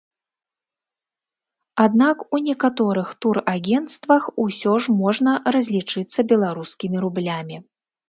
Аднак у некаторых турагенцтвах усё ж можна разлічыцца беларускімі рублямі.